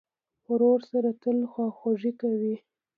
ورور سره تل خواخوږي کوې.